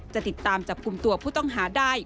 จะติดตามจับกลุ่มตัวผู้ต้องหาได้